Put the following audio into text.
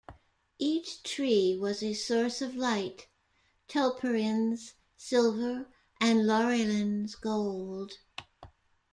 Each tree was a source of light: Telperion's silver and Laurelin's gold.